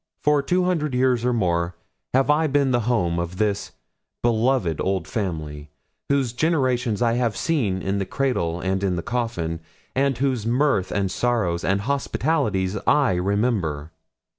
For two hundred years, or more, have I been the home of this beloved old family, whose generations I have seen in the cradle and in the coffin, and whose mirth and sorrows and hospitalities I remember.